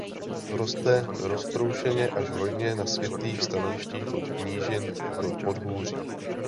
Roste roztroušeně až hojně na světlých stanovištích od nížin do podhůří.